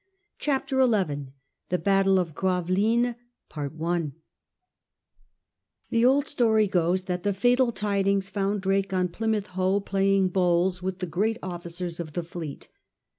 CHAPTER XI THE BATTLE OF GRAVELINES The old story goes that the fatal tidings found Drake on Plymouth Hoe playing bowls with the great officers of the fleet.